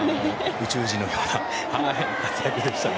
宇宙人のような活躍でしたね。